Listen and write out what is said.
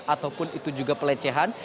ataupun itu juga pelecehan